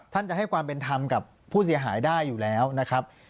ท่านจะให้ความเป็นธรรมกับผู้เสียหายได้อยู่แล้วนะครับ